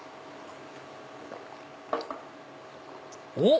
おっ！